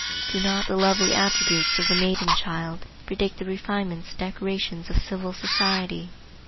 Do not the lovely attributes of the maiden child predict the refinements and decorations of civil society?